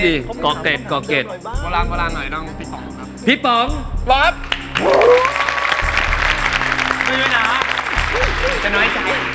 เดี๋ยวฉันจะกระดาวรูปให้